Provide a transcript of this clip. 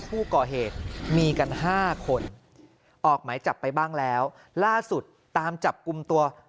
ผู้ก่อเหตุมีกันห้าคนออกหมายจับไปบ้างแล้วล่าสุดตามจับกลุ่มตัว